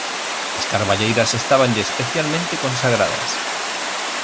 As carballeiras estábanlle especialmente consagradas.